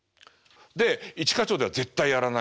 で「一課長」では絶対やらない。